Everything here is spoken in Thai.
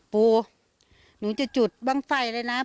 ปูหนูจะจุดบ้างไฟเลยนะ